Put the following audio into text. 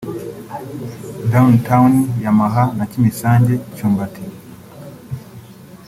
Down town-Yamaha na Kimisange-Cyumbati